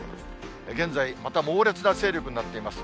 現在、また猛烈な勢力になっています。